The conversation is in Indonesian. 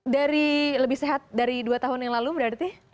dari lebih sehat dari dua tahun yang lalu berarti